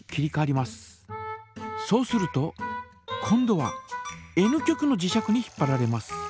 そうすると今度はＮ極の磁石に引っぱられます。